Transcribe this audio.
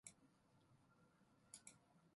鳴き声が森に響く。